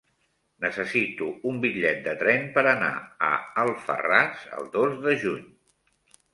Necessito un bitllet de tren per anar a Alfarràs el dos de juny.